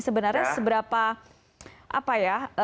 sebenarnya seberapa apa ya